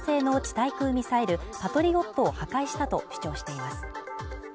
対空ミサイルパトリオットを破壊したと主張しています。